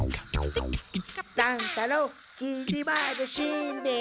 乱太郎きり丸しんべヱ。